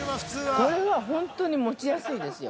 ◆これは本当に持ちやすいですよ。